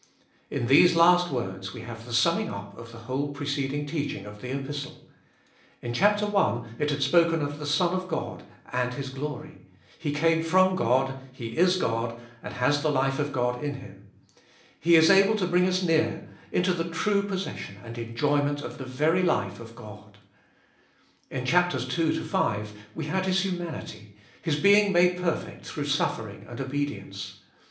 In these last words we have the summing up of the whole preceding teaching of the Epistle. In chap. i. it had spoken of the Son of God and His glory : He came from God, He is God, and has the life of God in Him ; He is able to bring us near, Ebe Dollest of ail 257 into the true possession and enjoyment of the very life of God. In chaps, ii. v. we had His humanity, His being made perfect through suffering and obedience.